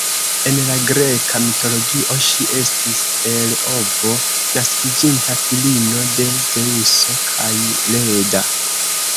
En la greka mitologio ŝi estis el ovo naskiĝinta filino de Zeŭso kaj Leda.